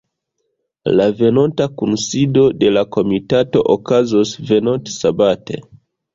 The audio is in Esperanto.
La venonta kunsido de la komitato okazos venontsabate.